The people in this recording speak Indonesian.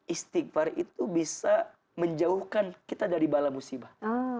istighfar itu bisa menjauhkan kita dari bala musibah